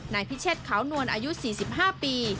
นายพิเชศเขานวลอายุ๔๕ปี